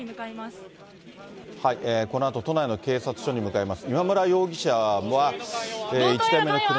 このあと、都内の警察署に向かいます。